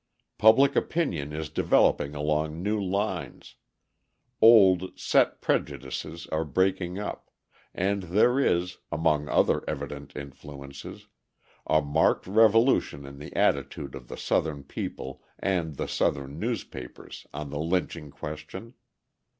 Public opinion is developing along new lines, old, set prejudices are breaking up, and there is, among other evident influences, a marked revolution in the attitude of the Southern people and the Southern newspapers on the lynching question.